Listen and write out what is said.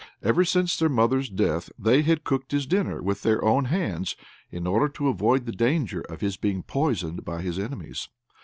Ever since their mother's death they had cooked his dinner with their own hands, in order to avoid the danger of his being poisoned by his enemies.